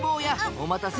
お待たせ。